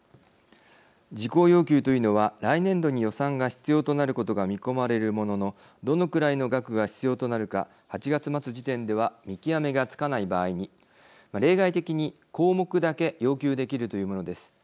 事項要求というのは来年度に予算が必要となることが見込まれるもののどのくらいの額が必要となるか８月末時点では見極めがつかない場合に例外的に項目だけ要求できるというものです。